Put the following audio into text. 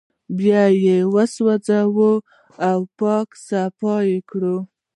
بيا يې وسوځول پاک او صاف يې کړل